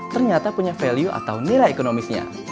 ternyata punya value atau nilai ekonomisnya